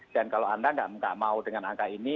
dan kalau anda tidak mau dengan angka ini